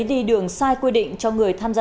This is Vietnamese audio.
đi đường sai quy định cho người tham gia